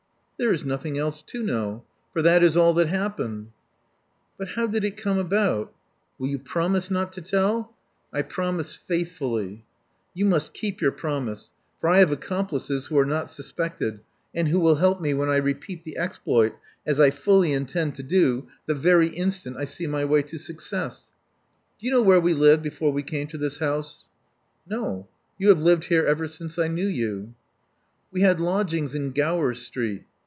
There is nothing else to know; for that is all that happened." But how did it come about?" Will you promise not to tell?" I promise faithfully." You must keep your promise; for I have accom plices who are not suspected, and who will help me when I repeat the exploit, as I fully intend to do the Love Among the Artists 75 very instant I see my way to success. Do you know where we lived before we came to this house?" No. You have lived here ever since I knew you." We had lodgings in Gower Street.